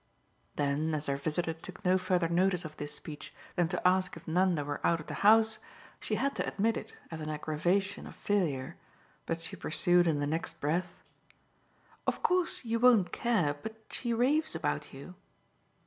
Then as her visitor took no further notice of this speech than to ask if Nanda were out of the house she had to admit it as an aggravation of failure; but she pursued in the next breath: "Of course you won't care, but she raves about you."